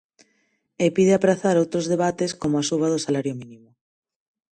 E pide aprazar outros debates como a suba do salario mínimo.